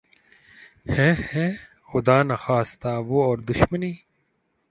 ھے ھے! خدا نخواستہ وہ اور دشمنی